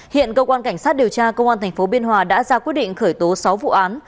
hiện công an tp biên hòa đã ra quyết định khởi tố sáu vụ án